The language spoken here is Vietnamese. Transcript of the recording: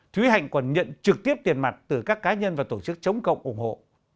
thúy hạnh còn nhận trực tiếp tiền mặt từ các cá nhân và tổ chức chống cộng ủng hộ